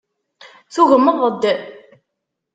Tugmeḍ-d.